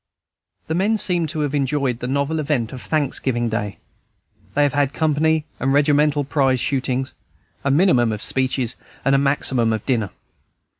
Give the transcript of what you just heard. The men seem to have enjoyed the novel event of Thanksgiving Day; they have had company and regimental prize shootings, a minimum of speeches and a maximum of dinner.